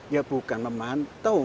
ya bukan memantau